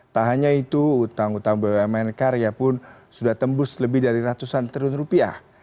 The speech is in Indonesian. tak hanya itu utang utang bumn karya pun sudah tembus lebih dari ratusan triliun rupiah